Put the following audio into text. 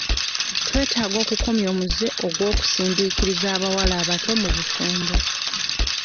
Twetaaga okukomya omuze gw'okusindiikiriza abawala abato mu bufumbo.